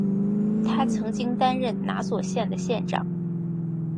他曾经担任拿索县的县长。